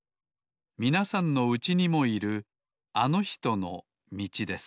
みなさんのうちにもいるあのひとのみちです